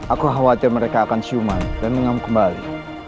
aku khawatir mereka akan siuman dan mengamuk kembali